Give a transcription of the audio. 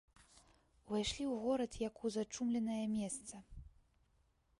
Увайшлі ў горад, як у зачумленае месца.